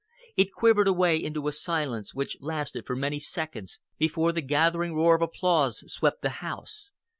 It quivered away into a silence which lasted for many seconds before the gathering roar of applause swept the house.